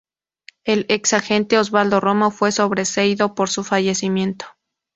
El ex agente Osvaldo Romo, fue sobreseído, por su fallecimiento.